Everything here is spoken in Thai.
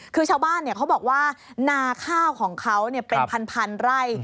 คือชาวบ้านเขาบอกว่านาข้าวของเขาเป็นพันไร่